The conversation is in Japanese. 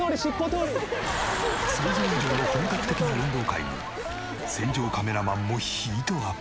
想像以上の本格的な運動会に戦場カメラマンもヒートアップ。